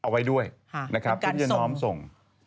ไปการส่ง